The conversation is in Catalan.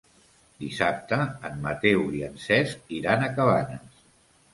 Dissabte en Mateu i en Cesc iran a Cabanes.